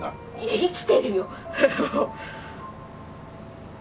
生きてるよ！